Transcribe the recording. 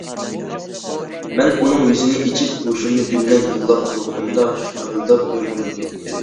مەن ئۇنىڭ يۈزىنى ئېچىپ ھوشۇمنى بىلمەي يىغلاپ تۇرغىنىمدا، شارىلداپ يامغۇر يېغىپ كەتتى.